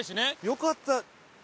よかった。